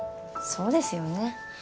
そうですよね。